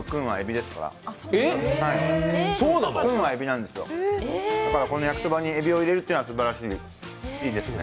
だから、この焼きそばにえびを入れるっていうのはいいですね。